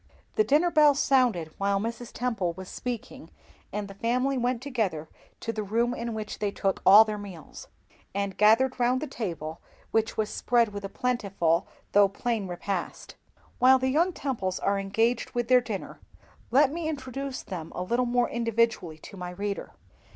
The dinner bell sounded while Mrs. Temple was speaking, and the family went together to the room in which they took all their meals, and gathered round the table which was spread with a plentiful, though plain repast. While the young Temples are engaged with their dinner, let me introduce them a little more individually to my reader.